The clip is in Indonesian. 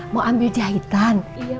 mau ambil jahitan